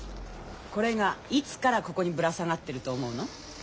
これがいつからここにぶら下がってると思うの？